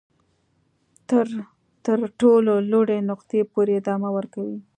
تر تر ټولو لوړې نقطې پورې ادامه ورکوي.